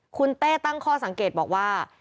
คุณเต้ตั้งข้อสังเกตบอกว่า